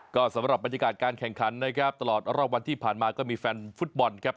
ก็สำหรับบรรยากาศการแข่งขันนะครับตลอดรอบวันที่ผ่านมาก็มีแฟนฟุตบอลครับ